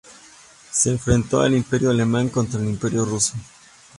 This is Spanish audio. Se enfrentó el Imperio alemán contra el Imperio ruso.